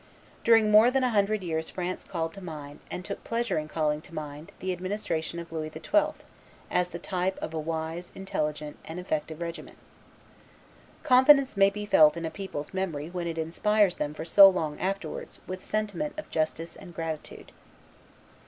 During more than a hundred years France called to mind, and took pleasure in calling to mind, the administration of Louis XII. as the type of a wise, intelligent, and effective regimen. Confidence may be felt in a people's memory when it inspires them for so long afterwards with sentiment of justice and gratitude.